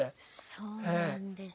そうなんですよ。